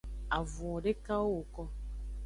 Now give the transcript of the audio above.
Avunwo dekawo woko.